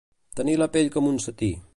Tenir la pell com un setí.